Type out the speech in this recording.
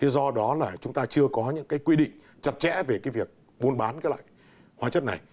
do đó là chúng ta chưa có những quy định chặt chẽ về việc buôn bán hoa chất này